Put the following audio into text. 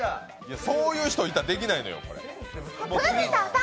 そういう人いたらできないのよ。